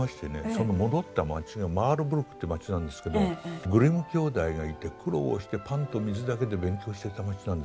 その戻った町がマールブルクっていう町なんですけどグリム兄弟がいて苦労をしてパンと水だけで勉強をしていた町なんです。